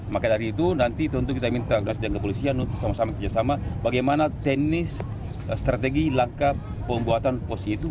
maka dari itu nanti tentu kita minta kepolisian untuk sama sama kerjasama bagaimana teknis strategi langkah pembuatan posisi itu